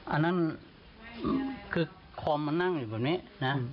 อันนั้นคือคอมมันนั่งอยู่แบบนี้นะ